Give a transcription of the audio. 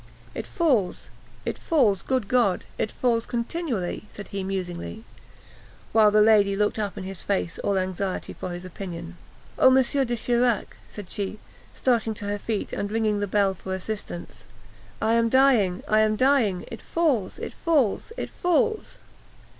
"It falls! it falls! good God! it falls continually!" said he musingly, while the lady looked up in his face all anxiety for his opinion. "Oh, M. de Chirac," said she, starting to her feet and ringing the bell for assistance; "I am dying! I am dying! it falls! it falls! it falls!"